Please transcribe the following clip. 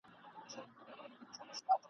هر حیوان چي به لیدی ورته حیران وو !.